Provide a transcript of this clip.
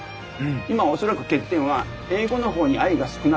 今恐らく欠点は英語の方に愛が少なすぎる。